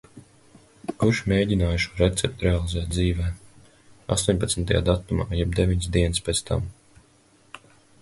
Kurš mēģināja šo recepti realizēt dzīvē. Astoņpadsmitajā datumā, jeb deviņas dienas pēc tam.